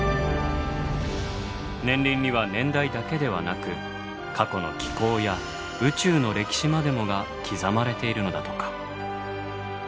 年輪には年代だけではなく過去の気候や宇宙の歴史までもが刻まれているのだとか。